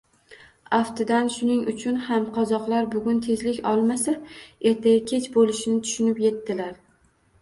Aftidan shuning uchun ham qozoqlar bugun tezlik olmasa, ertaga kech boʻlishini tushunib yetdilar.